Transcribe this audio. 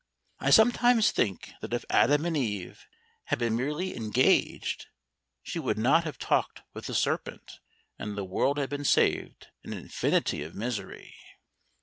I sometimes think that if Adam and Eve had been merely engaged, she would not have talked with the serpent; and the world had been saved an infinity of misery.